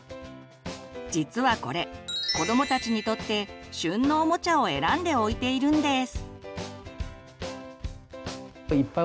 実はこれ子どもたちにとって「旬のおもちゃ」を選んで置いているんです。